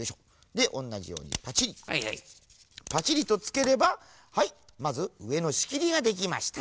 でおんなじようにパチリパチリとつければはいまずうえのしきりができました。